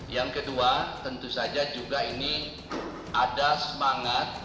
yang kedua tentu saja juga ini ada semangat